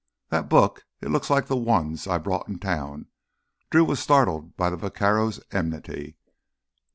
"That book—it looks like the ones I bought in town." Drew was startled by the vaquero's enmity.